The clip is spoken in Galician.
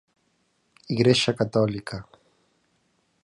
Igrexa católica.